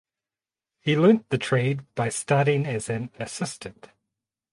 He learned the trade by starting as an assistant.